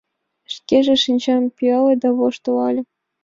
Шкеже шинчам пӱяле да воштылале.